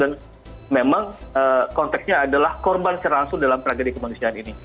dan memang konteksnya adalah korban secara langsung dalam tragedi kemanusiaan ini